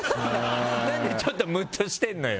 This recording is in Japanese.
何でちょっとむっとしてんのよ。